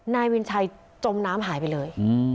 นายวินชัยจมน้ำหายไปเลย